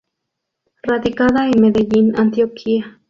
Radicada en Medellín, Antioquia.